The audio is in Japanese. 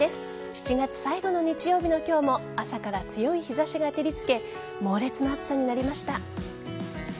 ７月最後の日曜日の今日も朝から強い日差しが照りつけ猛烈な暑さになりました。